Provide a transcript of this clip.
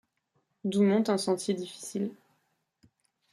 D’où monte un sentier difficile.